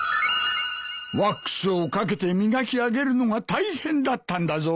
ワックスをかけて磨き上げるのが大変だったんだぞ。